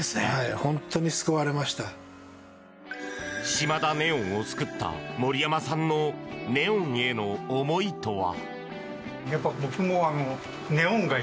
シマダネオンを救った森山さんのネオンへの思いとは。